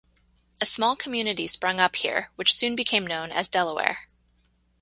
A small community sprung up here, which soon became known as Delaware.